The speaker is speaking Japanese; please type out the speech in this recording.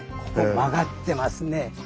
ここ曲がってますね。